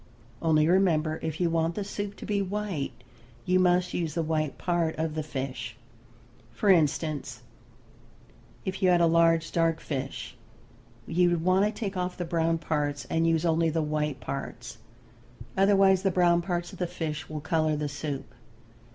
Only remember if you want the soup to be white you must use the white part of the fish. For instance, if you had a large dark fish you would want to take off the brown parts and use only the white parts. Otherwise the brown parts of the fish will color the soup.